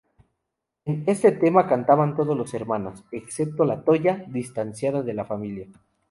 En este tema cantaban todos los hermanos excepto La Toya, distanciada de la familia.